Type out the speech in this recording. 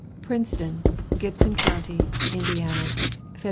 PRINCETON, GIBSON COUNTY, INDIANA, FEB.